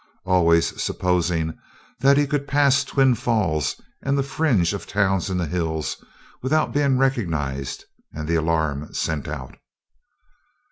Always supposing that he could pass Twin Falls and the fringe of towns in the hills, without being recognized and the alarm sent out.